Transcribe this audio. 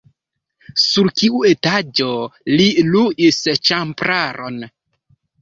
Sur kiu etaĝo li luis ĉambraron?